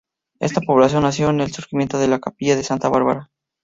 Esta población nació con el surgimiento de la capilla de Santa Bárbara.